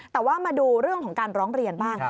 แต่ว่ามาดูเรื่องของการร้องเรียนบ้าง